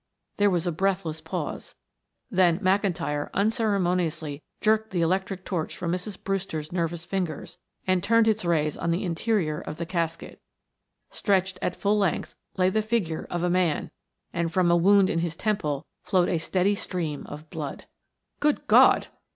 There was a breathless pause; then McIntyre unceremoniously jerked the electric torch from Mrs. Brewster's nervous fingers and turned its rays of the interior of the casket. Stretched at full length lay the figure of a man, and from a wound in his temple flowed a steady stream of blood. "Good God!"